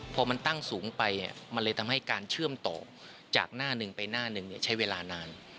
พอมันตั้งสูงไปมันเลยทำให้การเชื่อมต่อจากหน้าหนึ่งไปหน้าหนึ่งใช้เวลานาน